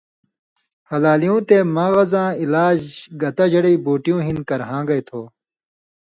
ہلالیُوں تے مغزاں علاج گتہ جڑی بُوٹیُوں ہِن کرہان٘گَیں تھو